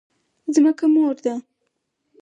ځمکه مور ده؟